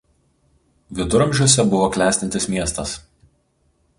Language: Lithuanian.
Viduramžiuose buvo klestintis miestas.